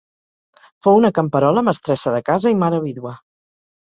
Fou una camperola, mestressa de casa i mare vídua.